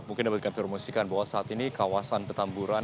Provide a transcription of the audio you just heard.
mungkin dapatkan informasi bahwa saat ini kawasan petamburan